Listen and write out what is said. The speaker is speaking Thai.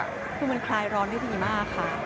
คือมันคลายร้อนได้ดีมากค่ะ